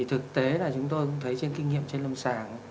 thực tế là chúng tôi cũng thấy trên kinh nghiệm trên lâm sàng